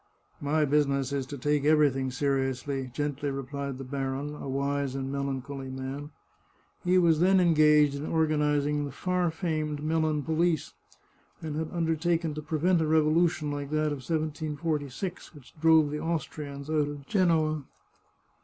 " My business is to take everything seriously," gently replied the baron, a wise and melancholy man. He was then engaged in organizing the far famed Milan police, and had undertaken to prevent a revolution like that of 1746, which drove the Austrians out of Genoa.